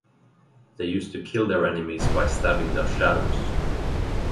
They used to kill their enemies by stabbing their shadows.